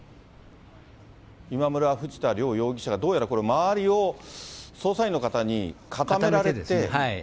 今村、藤田両容疑者がどうやらこれ、周りを捜査員の方に固められて。